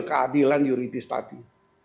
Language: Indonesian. keadilan yuridis tadi